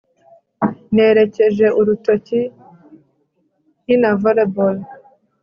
nerekeje urutoki nkina volleyball